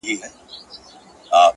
o پوره اته دانې سمعان ويلي كړل؛